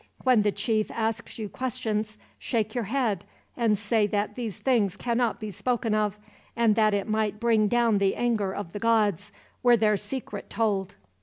When the chief asks you questions, shake your head, and say that these things cannot be spoken of, and that it might bring down the anger of the gods, were their secret told."